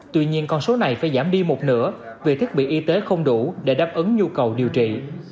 tuy nhiên con số này phải giảm đi một nửa vì thiết bị y tế không đủ để đáp ứng nhu cầu điều trị